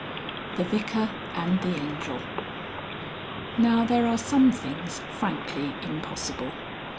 THE VICAR AND THE ANGEL. VI. Now there are some things frankly impossible.